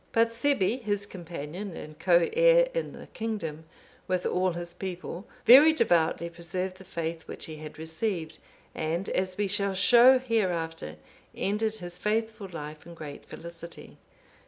But Sebbi, his companion and co heir in the kingdom, with all his people, very devoutly preserved the faith which he had received, and, as we shall show hereafter, ended his faithful life in great felicity.